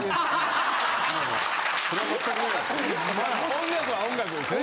音楽は音楽ですね。